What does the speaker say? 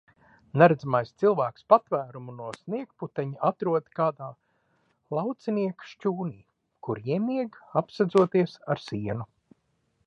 Neredzamais cilvēks patvērumu no sniegputeņa atrod kāda laucinieka šķūnī, kur iemieg, apsedzoties ar sienu.